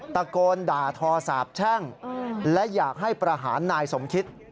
ตะโกนด่าทอสาบแช่งและอยากให้ประหารนายสมคิต